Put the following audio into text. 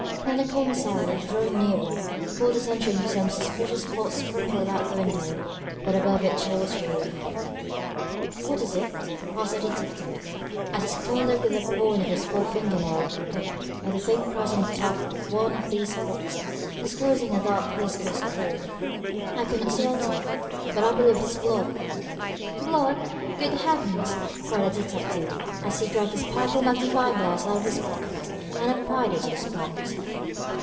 Then the Commissary, drawing nearer, called attention to some suspicious spots sprinkled about the window, but above it towards the roof. "What is it?" asked the detective, as his colleague with the point of his long fore finger nail picked at the thin crust on the top of one of these spots, disclosing a dark, viscous core. "I could not swear to it, but I believe it is blood." "Blood! Good Heavens!" cried the detective, as he dragged his powerful magnifying glass out of his pocket and applied it to the spot.